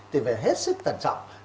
thì phải hết sức tẩn trọng